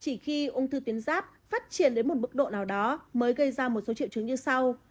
chỉ khi ung thư tuyến giáp phát triển đến một mức độ nào đó mới gây ra một số triệu chứng như sau